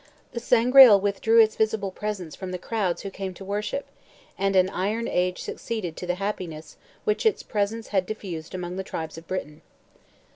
The Sangreal withdrew its visible presence from the crowds who came to worship, and an iron age succeeded to the happiness which its presence had diffused among the tribes of Britain.